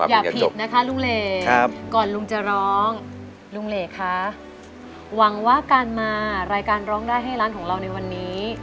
อย่าผิดนะคะลุงเหลก่อนลุงจะร้องลุงเหลคะหวังว่าการมารายการร้องได้ให้ร้านของเราในวันนี้